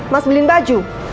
mas beliin baju